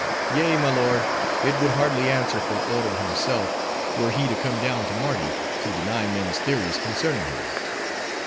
"Yea, my lord, it would hardly answer for Oro himself, were he to come down to Mardi, to deny men's theories concerning him.